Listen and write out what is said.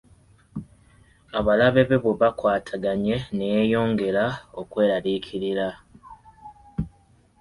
Abalabe be bwe bakwataganye ne yeeyongera okweraliikirira.